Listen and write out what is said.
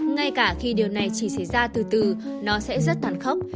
ngay cả khi điều này chỉ xảy ra từ từ nó sẽ rất tàn khốc